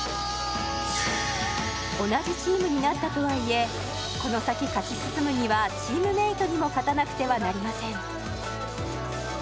同じチームになったとはいえこの先勝ち進むにはチームメートにも勝たなくてはなりません